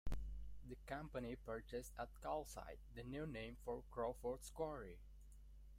The company purchased at Calcite, the new name for Crawford's Quarry.